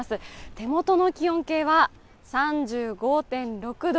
手元の気温計は３５．６度。